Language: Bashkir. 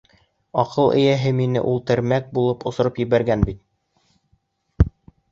Аҡыл эйәһе мине үл-термәк булып осороп ебәргән бит!